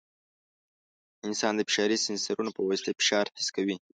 انسان د فشاري سینسرونو په واسطه فشار حس کوي.